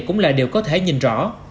cũng là điều có thể nhìn rõ